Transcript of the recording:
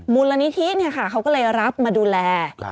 มูลนิธิเขาก็เลยรับมาดูแล